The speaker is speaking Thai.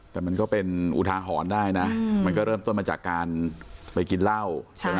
แต่มันก็เป็นอุทาหรณ์ได้นะมันก็เริ่มต้นมาจากการไปกินเหล้าใช่ไหม